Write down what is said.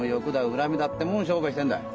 恨みだってもん商売にしてんだ。